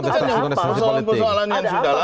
persoalan persoalan yang sudah lama